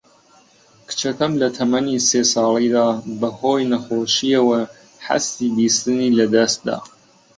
کچەکەم لە تەمەنی سێ ساڵیدا بە هۆی نەخۆشییەوە هەستی بیستنی لەدەست دا